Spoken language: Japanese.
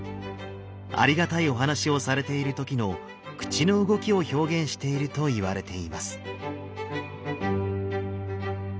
ありがたいお話をされている時の口の動きを表現しているといわれています。